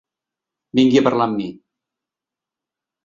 Vingui a parlar amb mi.